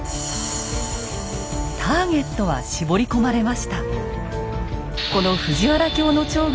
ターゲットは絞り込まれました。